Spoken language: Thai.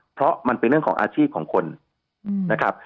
เพราะมันเป็นเรื่องของอาชีพของคนนะครับ